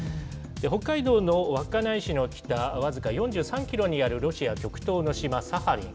北海道の稚内市の北、僅か４３キロにあるロシア極東の島、サハリン。